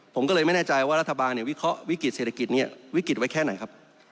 ผมก็เลยไม่แน่ใจว่ารัฐบาลเนี่ยวิเคราะห์วิกฤติเศรษฐกิจเนี่ยวิกฤตไว้แค่ไหนครับ